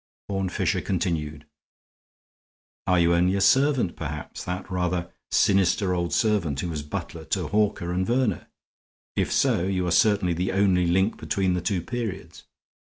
Horne Fisher continued: "Are you only a servant, perhaps, that rather sinister old servant who was butler to Hawker and Verner? If so, you are certainly the only link between the two periods.